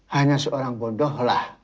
hanya seorang bodohlah